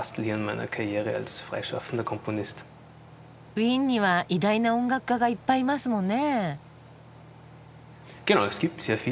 ウィーンには偉大な音楽家がいっぱいいますもんね。